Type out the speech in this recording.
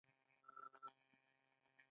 هند یو لوی ګاونډی دی.